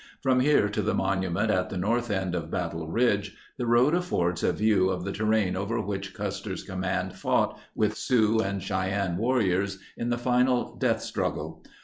From here to the monument at the north end of Battle Ridge, the road affords a view of the terrain over which Custer's command fought with Sioux and Chey enne warriors in the final death struggle.